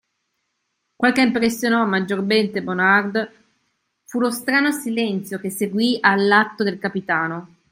Quel che impressionò maggiormente Bonard fu lo strano silenzio che seguì all'atto del capitano.